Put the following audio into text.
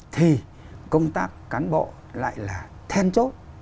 thì công tác cán bộ lại là thêm chốt